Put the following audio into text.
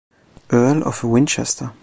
Earl of Winchester.